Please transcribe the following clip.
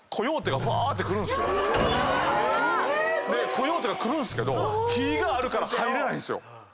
コヨーテが来るんすけど火があるから入れないんすよ。